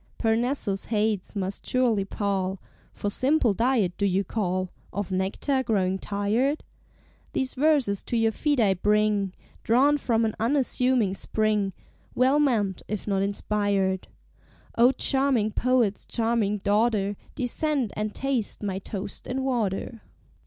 Parnassus heights must surely pall; For simpler diet do you call, Of nectar growing tired? These verses to your feet I bring, Drawn from an unassuming spring, Well meant if not inspired; O charming Poet's charming daughter, Descend and taste my toast and water!